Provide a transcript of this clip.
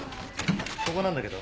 ここなんだけど。